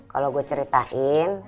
kalau gua ceritain